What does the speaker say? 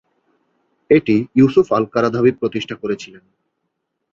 এটি Yusuf al Qaradawi প্রতিষ্ঠা করেছিলেন।